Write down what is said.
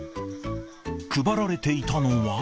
配られていたのは。